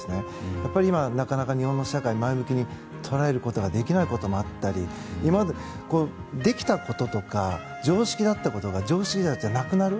やっぱり今なかなか、日本の社会を前向きに捉えることはできないこともあったり今までできたこととか常識だったことが常識じゃなくなる。